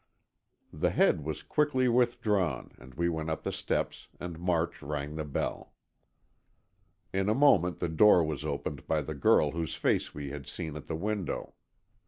The head was quickly withdrawn, and we went up the steps and March rang the bell. In a moment the door was opened by the girl whose face we had seen at the window.